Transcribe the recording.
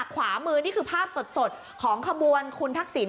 ขวามือนี่คือภาพสดของขบวนคุณทักษิณ